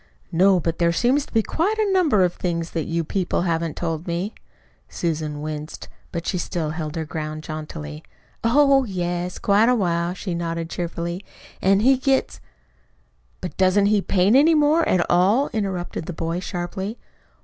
"No. But there seem to be quite a number of things that you people haven't told me." Susan winced, but she still held her ground jauntily. "Oh, yes, quite a while," she nodded cheerfully. "An' he gets " "But doesn't he paint any more at all?" interrupted the boy sharply.